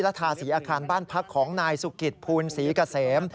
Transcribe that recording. ทาสีอาคารบ้านพักของนายสุกิตภูลศรีเกษม